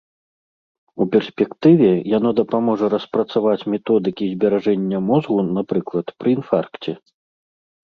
У перспектыве яно дапаможа распрацаваць методыкі зберажэння мозгу, напрыклад, пры інфаркце.